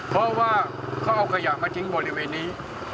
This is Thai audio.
เพราะว่าเขาเอาขยะมาทิ้งบริเวณนี้